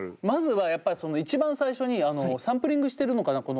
まずはやっぱ一番最初にサンプリングしてるのかな？